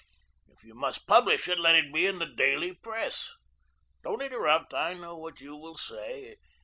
If you must publish it, let it be in the daily press. Don't interrupt. I know what you will say.